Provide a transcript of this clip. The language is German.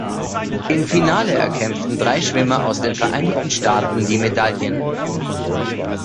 Im Finale erkämpften drei Schwimmer aus den Vereinigten Staaten die Medaillen.